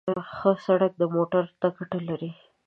ښه سړک موټر ته ګټه لري.